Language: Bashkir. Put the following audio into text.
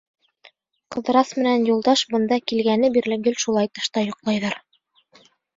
Ҡыҙырас менән Юлдаш бында килгәне бирле гел шулай тышта йоҡлайҙар.